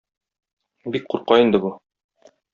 Бик курка инде бу.